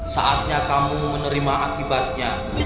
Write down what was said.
saatnya kamu menerima akibatnya